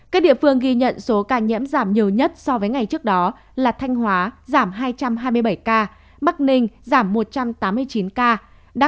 các địa phương ghi nhận số ca nhiễm giảm nhiều nhất so với ngày trước đó là thanh hóa giảm hai trăm hai mươi bảy ca bắc ninh giảm một trăm tám mươi chín ca